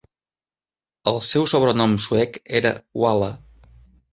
El seu sobrenom suec era "Walle".